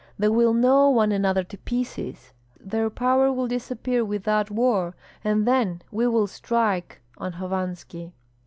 They will gnaw one another to pieces; their power will disappear without war; and then we will strike on Hovanski."